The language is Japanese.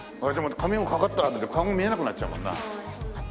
髪がかかったら顔が見えなくなっちゃうもんな。